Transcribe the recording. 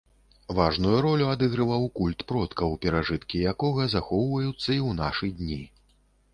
Важную ролю адыгрываў культ продкаў, перажыткі якога захоўваюцца і ў нашы дні.